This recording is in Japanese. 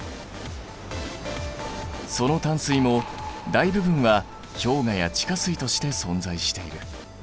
その淡水も大部分は氷河や地下水として存在している。